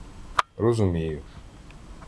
розумію.